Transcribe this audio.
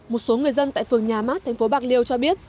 một số người dân tại phường nhà mát thành phố bạc liêu cho biết